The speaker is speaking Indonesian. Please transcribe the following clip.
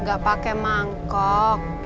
nggak pake mangkok